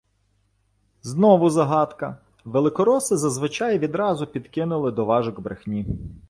Знову загадка! Великороси зазвичай відразу підкинули «доважок брехні»